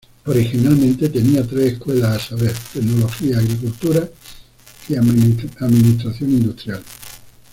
Originalmente, tenía tres escuelas, a saber, Tecnología Agricultura, y Administración Industrial.